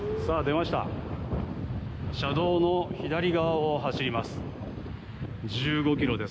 車道の左側を走ります。